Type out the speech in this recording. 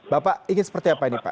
bapak ingin seperti apa ini pak